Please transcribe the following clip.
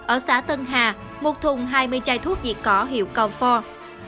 ở xã tân hà một thùng hai mươi chai thuốc diệt cỏ hiệu comfort